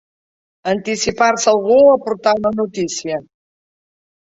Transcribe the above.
Anticipar-se algú a portar una notícia.